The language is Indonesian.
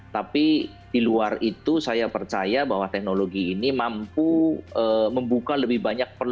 tapi di luar itu saya percaya bahwa teknologi ini mampu membuka lebih banyak perusahaan